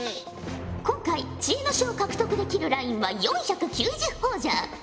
今回知恵の書を獲得できるラインは４９０ほぉじゃ。